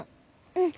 うん。